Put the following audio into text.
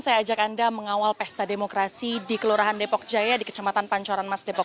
saya ajak anda mengawal pesta demokrasi di kelurahan depok jaya di kecamatan pancoran mas depok